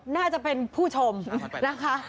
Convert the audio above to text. น่าจะเป็นผู้ชมนะคะ